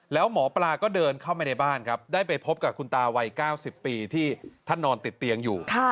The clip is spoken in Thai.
แล้วหมอปลาก็เดินเข้าไปในบ้านครับได้ไปพบกับคุณตาวัย๙๐ปีที่ท่านนอนติดเตียงอยู่